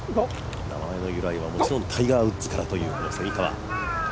名前の由来はもちろんタイガー・ウッズからというこの蝉川。